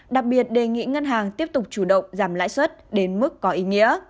đặc biệt đề nghị ngân hàng tiếp tục chủ động giảm lãi suất đến mức có ý nghĩa